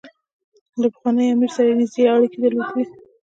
له پخواني امیر سره یې نېږدې اړیکې درلودې.